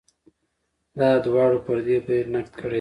دا دواړو پر دې بهیر نقد کړی دی.